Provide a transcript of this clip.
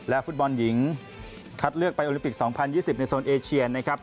ฟุตบอลหญิงคัดเลือกไปโอลิมปิก๒๐๒๐ในโซนเอเชียนนะครับ